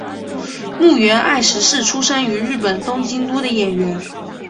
筱原爱实是出身于日本东京都的演员。